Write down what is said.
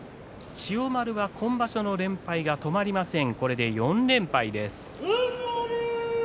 千代丸、今場所も連敗が止まりません４連敗です。